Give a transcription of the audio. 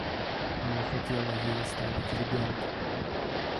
Я хотела ей оставить ребенка.